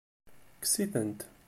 Kkes-itent.